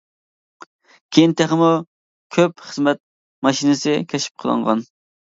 كېيىن تېخىمۇ كۆپ خىزمەت ماشىنىسى كەشىپ قىلىنغان.